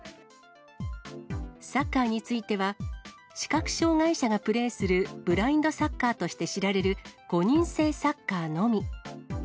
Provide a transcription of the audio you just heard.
サッカーについては、視覚障がい者がプレーするブラインドサッカーとして知られる５人制サッカーのみ。